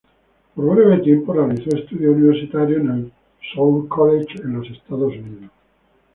Por breve tiempo realizó estudios universitarios en el Soule College en los Estados Unidos.